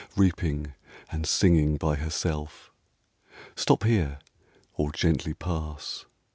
Reaping and singing by herself; Stop here, or gently pass!